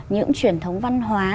những truyền thống văn hóa